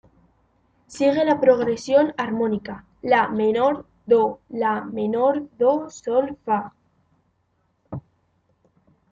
Sigue la progresión armónica "la" menor-"do"–"la" menor–"do"–"sol"–"fa".